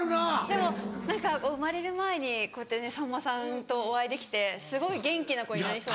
でも生まれる前にこうやってさんまさんとお会いできてすごい元気な子になりそうな。